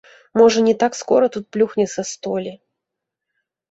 Можа, не так скора тут плюхне са столі.